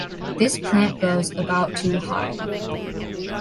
This plant grows about to high.